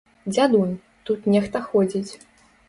Дзядунь, тут нехта ходзіць.